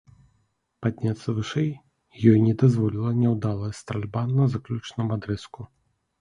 Падняцца вышэй ёй не дазволіла няўдалая стральба на заключным адрэзку.